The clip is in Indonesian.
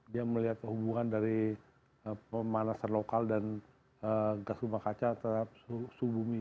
dia melihat hubungan dari pemanasan lokal dan gas rumah kaca terhadap suhu bumi